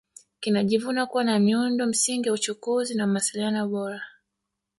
Kinajivuna kuwa na miundo msingi ya uchukuzi na mawasiliano bora